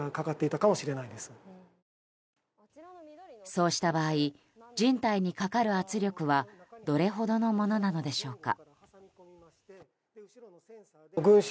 そうした場合人体にかかる圧力はどれほどのものなのでしょうか。